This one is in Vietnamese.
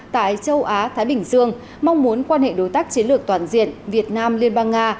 tại châu á thái bình dương mong muốn quan hệ đối tác chiến lược toàn diện việt nam liên bang nga